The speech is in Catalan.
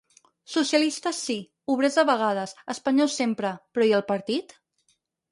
Socialistes sí, obrers de vegades, espanyols sempre, però i el partit?